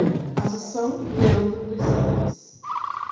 Assunção Leandro dos Santos